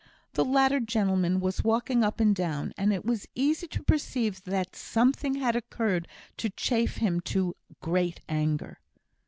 The latter gentleman was walking up and down, and it was easy to perceive that something had occurred to chafe him to great anger.